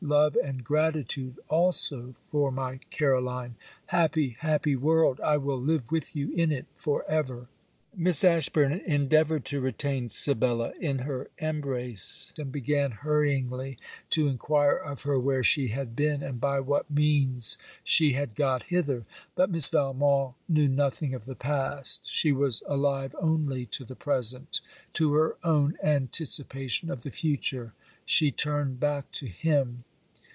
Love and gratitude also for my Caroline! happy happy world! I will live with you in it for ever!' Miss Ashburn endeavoured to retain Sibella in her embrace; and began hurryingly to enquire of her where she had been, and by what means she had got hither. But Miss Valmont knew nothing of the past. She was alive only to the present, to her own anticipation of the future. She turned back to him.